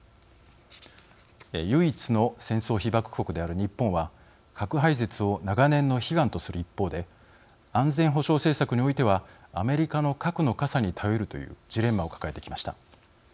唯一の戦争被爆国である日本は核廃絶を長年の悲願とする一方で安全保障政策においてはアメリカの核の傘に頼るというジレンマを抱えてきました。